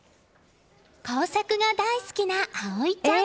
工作が大好きな葵ちゃん。